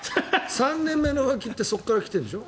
３年目の浮気ってそこから来てるんでしょ。